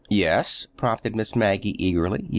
"Yes," prompted Miss Maggie eagerly.